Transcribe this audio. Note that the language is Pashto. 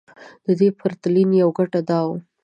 د دې پرتلنې يوه ګټه دا وي.